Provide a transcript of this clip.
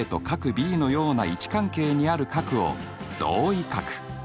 ｂのような位置関係にある角を同位角。